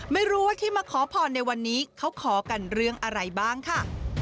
ไม่รู้ว่าที่มาขอพรในวันนี้เขาขอกันเรื่องอะไรบ้างค่ะ